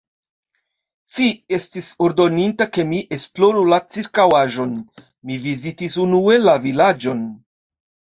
Ci estis ordoninta, ke mi esploru la ĉirkaŭaĵon; mi vizitis unue la vilaĝon.